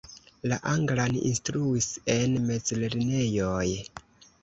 La anglan instruis en mezlernejoj.